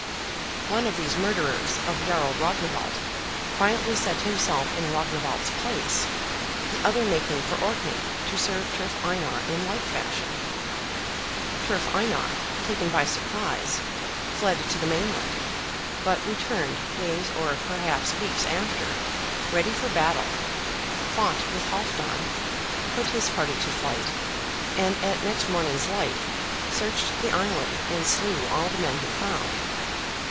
One of these murderers of Jarl Rognwald quietly set himself in Rognwald's place, the other making for Orkney to serve Turf Einar in like fashion. Turf Einar, taken by surprise, fled to the mainland; but returned, days or perhaps weeks after, ready for battle, fought with Halfdan, put his party to flight, and at next morning's light searched the island and slew all the men he found.